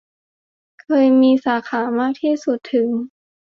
เคยมีสาขามากที่สุดถึง